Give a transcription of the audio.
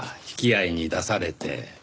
引き合いに出されて。